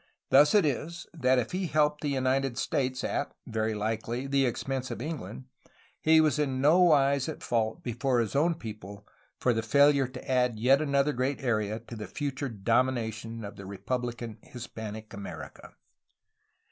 Thus it is, that if he helped the United States at (very likely) the expense of England, he was in no wise at fault before his own people for the failure to add yet another great area to the future domination of republican Hispanic America.